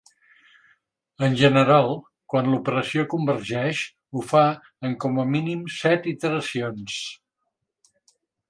En general, quan l'operació convergeix ho fa en com a mínim set iteracions.